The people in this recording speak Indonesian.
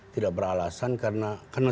tidak beralasan karena